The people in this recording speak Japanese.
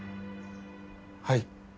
はい。